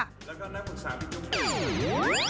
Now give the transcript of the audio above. แล้วก็ได้บริษัทที่กดดัน